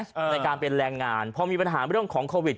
ในการเป็นแรงงานพอมีปัญหาเรื่องของโควิด